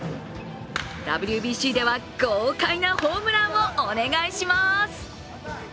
ＷＢＣでは豪快なホームランをお願いします。